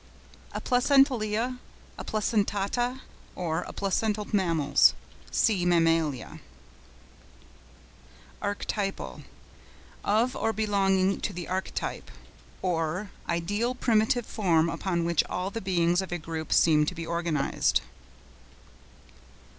APLACENTALIA, APLACENTATA or Aplacental Mammals.—See mammalia. ARCHETYPAL.—Of or belonging to the Archetype, or ideal primitive form upon which all the beings of a group seem to be organised.